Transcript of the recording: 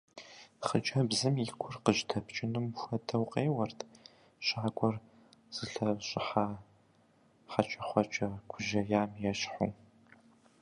Хъыджэбзым и гур къыжьэдэпкӀыным хуэдэу къеуэрт, щакӀуэр зылъэщӀыхьа хьэкӀэкхъуэкӀэ гужьеям ещхьу.